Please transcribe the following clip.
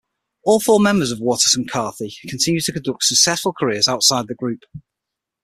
All four members of Waterson-Carthy continue to conduct successful careers outside the group.